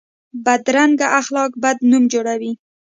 بدرنګه اخلاق بد نوم جوړوي